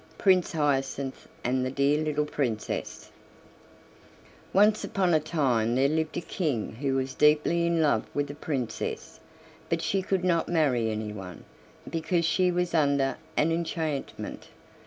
PRINCE HYACINTH AND THE DEAR LITTLE PRINCESS Once upon a time there lived a king who was deeply in love with a princess, but she could not marry anyone, because she was under an enchantment.